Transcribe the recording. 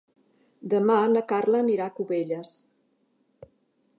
Demà na Carla anirà a Cubelles.